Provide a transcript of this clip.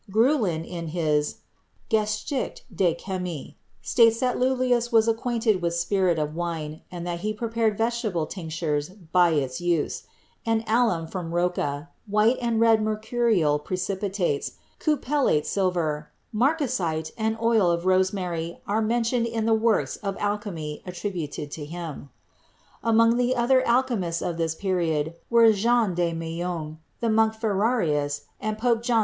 Gruelin, in his "Geschichte der Chemie," states that Lullius was acquainted with spirit of wine and that he prepared vegetable tinctures by its use; and alum from Rocca, white and red mercurial precipitates, cupellated silver, marcasite and oil of rosemary are mentioned in the works on alchemy attributed to him. Among the other alchemists of this period were Jean de Meung, the monk Ferarius and Pope John XXII.